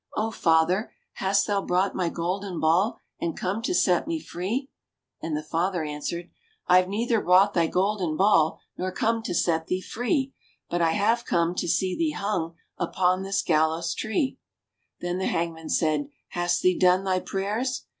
O father, hast thou brought my golden ball And come to set me free ?" And the father answered : "I've neither brought thy golden ball Nor come to set thee free, But I have come to see thee hung Upon this gallows tree." Then the hangman said, *'Hast thee done thy prayers?